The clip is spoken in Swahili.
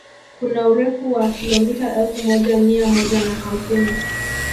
Kuna urefu wa kilomita elfu moja mia moja na hamsini